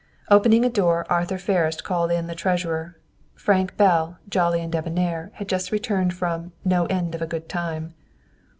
Opening a door, Arthur Ferris called in the treasurer. Frank Bell, jolly and debonnair, had just returned from "no end of a good time."